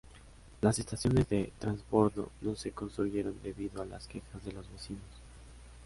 Las estaciones de trasbordo no se construyeron debido a las quejas de los vecinos.